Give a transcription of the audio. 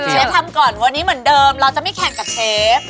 เชฟทำก่อนวันนี้เหมือนเดิมเราจะไม่แข่งกับเชฟ